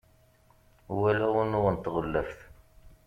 walaɣ unuɣ n tɣellaft